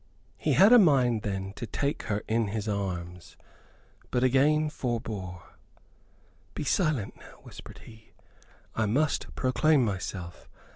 He had a mind then to take her in his arms, but again forebore. "Be silent now," whispered he; "I must proclaim myself.